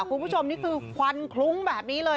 คุณผู้ชมนี่คือควันคลุ้งแบบนี้เลย